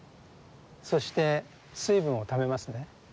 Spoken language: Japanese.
そして水分をためますね。